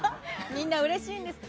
みんなうれしいんです。